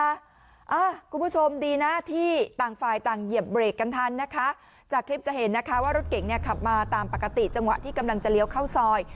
คุณผู้ชมดีนะที่ต่างฝ่ายต่างเหยียบเบรกกันทันนะคะจากคลิปจะเห็นนะคะว่ารถเก่งเนี่ยขับมาตามปกติจังหวะที่กำลังจะเลี้ยวเข้าซอย